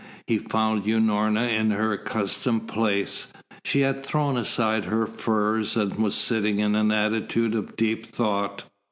He found Unorna in her accustomed place. She had thrown aside her furs and was sitting in an attitude of deep thought.